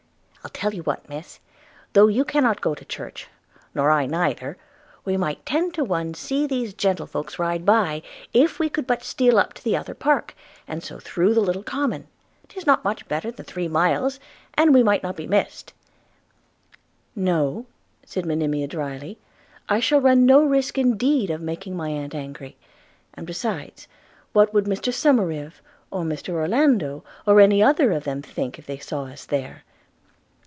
I'll tell you what, Miss, though you cannot go to church, nor I neither, we might ten to one see these gentlefolks ride by, if we could but steal up to the upper park, and so through the little common. 'Tis not much better than three miles, and we might not be miss'd.' 'No,' said Monimia drily, 'I shall run no such risk indeed of making my aunt angry; and besides, what would Mr Somerive, or Mr Orlando, or any other of them think if they saw us there?'